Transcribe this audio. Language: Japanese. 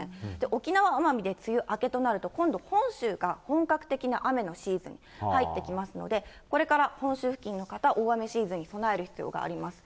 沖縄・奄美で、梅雨明けとなると、今度、本州が本格的な雨のシーズンに入ってきますので、これから本州付近の方、大雨シーズンに備える必要があります。